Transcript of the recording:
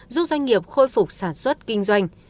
giúp doanh nghiệp khôi phục sản xuất kinh doanh